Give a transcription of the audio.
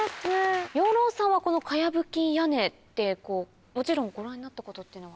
養老さんはこの茅ぶき屋根ってもちろんご覧になったことっていうのは？